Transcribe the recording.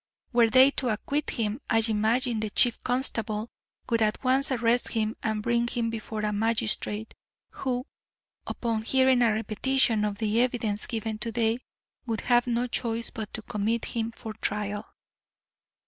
Were they to acquit him, I imagine the Chief Constable would at once arrest him and bring him before a magistrate, who, upon hearing a repetition of the evidence given to day, would have no choice but to commit him for trial."